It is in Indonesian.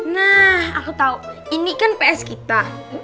nah aku tahu ini kan ps kita